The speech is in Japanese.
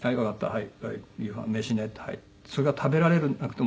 はい。